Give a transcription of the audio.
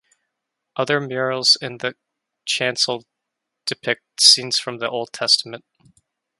Other murals in the chancel depict scenes from the Old Testament.